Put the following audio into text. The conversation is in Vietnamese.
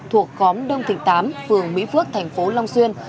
thuộc khóm đông thịnh tám phường mỹ phước thành phố long xuyên